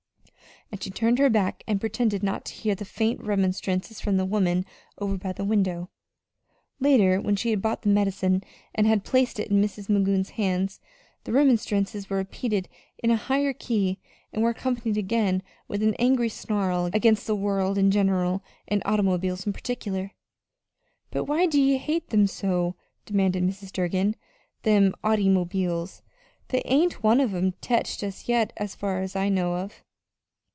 And she turned her back and pretended not to hear the faint remonstrances from the woman over by the window. Later, when she had bought the medicine and had placed it in Mrs. Magoon's hands, the remonstrances were repeated in a higher key, and were accompanied again with an angry snarl against the world in general and automobiles in particular. "But why do ye hate 'em so?" demanded Mrs. Durgin, " them autymobiles? They hain't one of 'em teched ye, as I knows of."